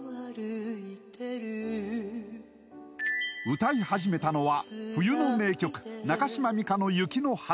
歌い始めたのは冬の名曲中島美嘉の「雪の華」。